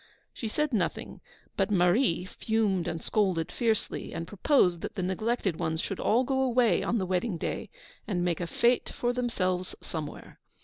She said nothing; but Marie fumed and scolded fiercely, and proposed that the neglected ones should all go away on the wedding day, and make a fête for themselves somewhere.